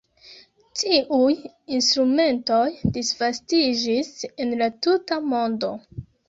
Tiuj instrumentoj disvastiĝis en la tuta mondo.